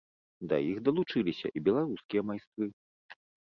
Да іх далучыліся і беларускія майстры.